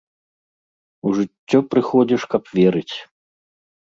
У жыццё прыходзіш, каб верыць.